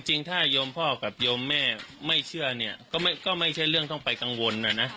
จริงถ้าโยมพ่อกับโยมแม่ไม่เชื่อเนี่ยก็ไม่ใช่เรื่องต้องไปกังวลนะนะ